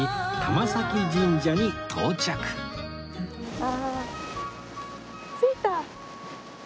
ああ着いた！